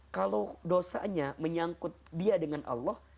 kalau dosanya menyangkut dia dengan allah